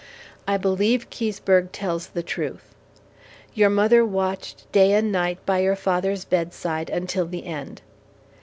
I believe Keseberg tells the truth. Your mother watched day and night by your father's bedside until the end.